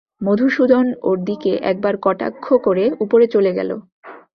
মধুসূদন ওর দিকে একবার কটাক্ষ করে উপরে চলে গেল।